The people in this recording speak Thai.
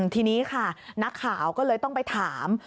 ทีนี้ค่ะนักข่าวก็เลยต้องไปถาม